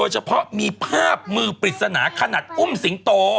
เฉพาะมีภาพมือปริศนาขนาดอุ้มสิงโต